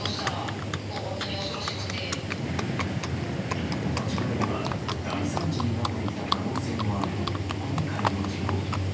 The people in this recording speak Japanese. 一歩間違えれば大惨事になっていた可能性もある今回の事故。